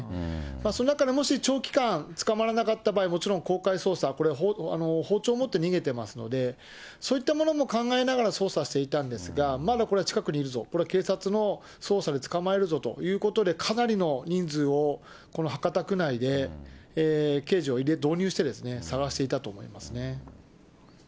その中でもし長期間捕まらなかった場合、もちろん公開捜査、これ、包丁を持って逃げてますので、そういったものも考えながら捜査していたんですが、まだこれ近くにいるぞ、警察の捜査で捕まえるぞということで、かなりの人数を、この博多区内で刑事を導入して捜していたと思いますね。